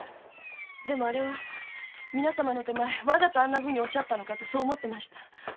でもあれは皆様の手前わざとあんなふうにおっしゃったのかしらとそう思ってました。